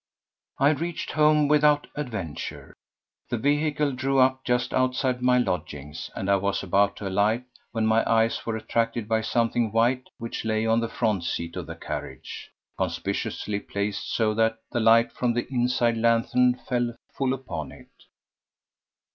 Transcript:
I reached home without adventure. The vehicle drew up just outside my lodgings, and I was about to alight when my eyes were attracted by something white which lay on the front seat of the carriage, conspicuously placed so that the light from the inside lanthorn fell full upon it.